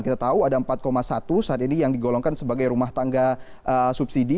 kita tahu ada empat satu saat ini yang digolongkan sebagai rumah tangga subsidi